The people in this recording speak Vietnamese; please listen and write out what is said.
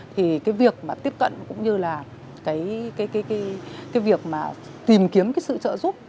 thì cái việc mà tiếp cận cũng như là cái việc mà tìm kiếm cái sự trợ giúp